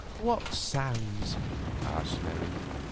"What sounds?" asked Mary.